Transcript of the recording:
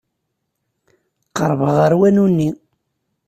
Qerrbeɣ ɣer wanu-nni.